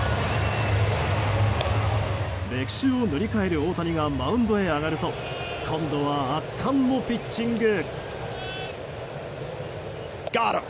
歴史を塗り替える大谷がマウンドへ上がると今度は圧巻のピッチング。